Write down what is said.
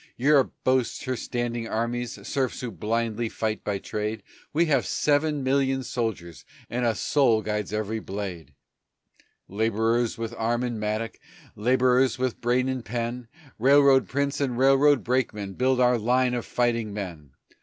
Europe boasts her standing armies, Serfs who blindly fight by trade; We have seven million soldiers, And a soul guides every blade. Laborers with arm and mattock, Laborers with brain and pen, Railroad prince and railroad brakeman Build our line of fighting men.